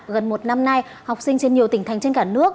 gần một năm nay học sinh trên nhiều tỉnh thành trên cả nước